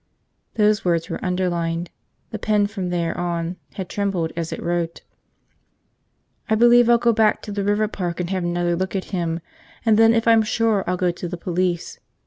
Those words were underlined. The pen, from there on, had trembled as it wrote. "I believe I'll go back to the river park and have another look at him, and then if I'm sure, I'll go to the police.